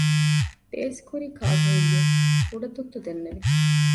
ބޭސްކުރީ ކާކުހެއްޔެވެ؟ ކުޑަތުއްތު ދެންނެވި